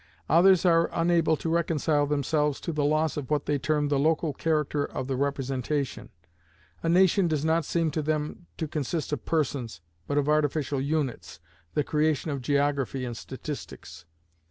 Others are unable to reconcile themselves to the loss of what they term the local character of the representation. A nation does not seem to them to consist of persons, but of artificial units, the creation of geography and statistics.